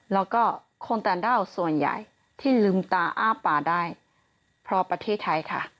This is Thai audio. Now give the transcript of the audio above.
แล้วก็คนต่างด้าวส่วนใหญ่ที่ลืมตาอ้าปากได้เพราะประเทศไทยค่ะ